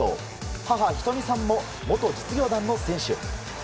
母・ひとみさんも元実業団の選手。